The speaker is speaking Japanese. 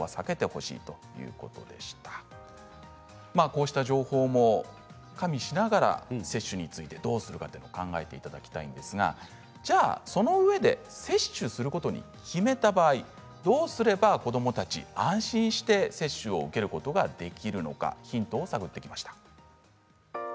こうした情報も加味しながら接種についてどうするのか考えていただきたいですがそのうえで接種することに決めた場合どうすれば子どもたちが安心して接種を受けることができるのかヒントを探ってきました。